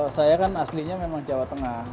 ya kalau saya kan aslinya memang jawa tengah